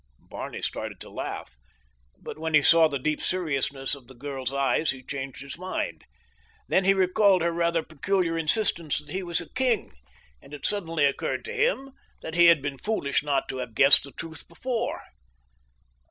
Barney started to laugh, but when he saw the deep seriousness of the girl's eyes he changed his mind. Then he recalled her rather peculiar insistence that he was a king, and it suddenly occurred to him that he had been foolish not to have guessed the truth before.